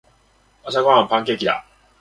朝ごはんはパンケーキだ。